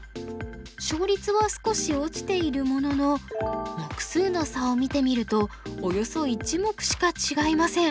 勝率は少し落ちているものの目数の差を見てみるとおよそ１目しか違いません。